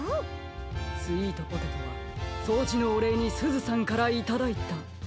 スイートポテトはそうじのおれいにすずさんからいただいた。